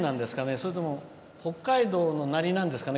それとも北海道のなりなんですかね。